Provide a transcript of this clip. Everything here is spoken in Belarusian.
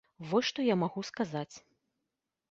Вось што я магу сказаць.